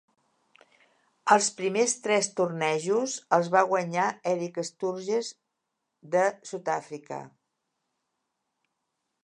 Els primers tres tornejos els va guanyar Eric Sturgess de Sud-Àfrica.